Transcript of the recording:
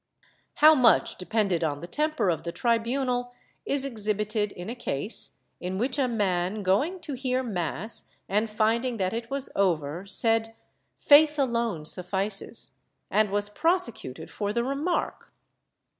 How much depended on the temper of the tribunal is exhibited in a case in which a man, going to hear mass and finding that it was over, said "faith alone suffices" and was prosecuted for the remark.